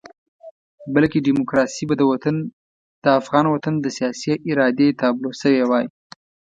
بلکې ډیموکراسي به د افغان وطن د سیاسي ارادې تابلو شوې وای.